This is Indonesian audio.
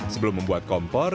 sebelum membuat kompor